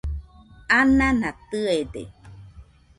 anana tɨede